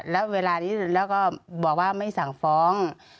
แล้วเวลานี้แล้วก็บอกว่าไม่สั่งฟ้อง